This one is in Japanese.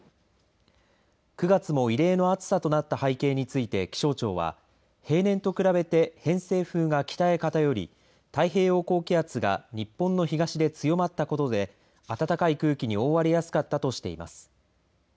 ９月も異例の暑さとなった背景について、気象庁は平年と比べて偏西風が北へかたより太平洋高気圧が日本の東で強まったことで暖かい空気に覆われやすかったとしています。